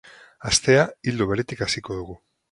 Astea ildo beretik hasiko dugu.